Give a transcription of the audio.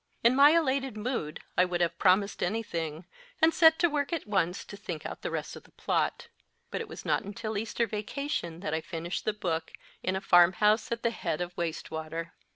In my elated mood I would have promised any thing, and set to work at once to think out the rest of the plot ; but it was not until the Easter Vacation that I finished the book, in a farmhouse at the head of Wastwater.